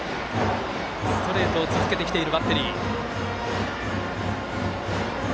ストレートを続けてきているバッテリー。